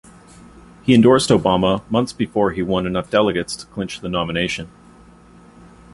He endorsed Obama months before he won enough delegates to clinch the nomination.